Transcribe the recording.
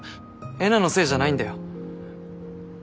えなのせいじゃないんだよ。